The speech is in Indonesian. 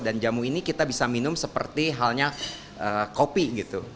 dan jamu ini kita bisa minum seperti halnya kopi gitu